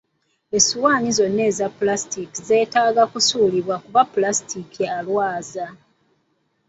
Essowaani zonna eza ppulasitiika zetaaga kusuulibwa kuba ppulasitika alwaza.